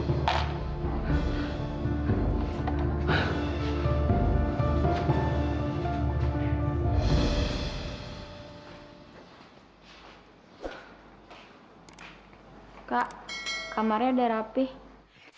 kak kamarnya ada rapih